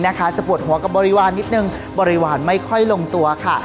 จะปวดหัวกับบริวารนิดนึงบริวารไม่ค่อยลงตัวค่ะ